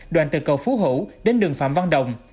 đoàn từ cầu phú hữu đến đường phạm văn đồng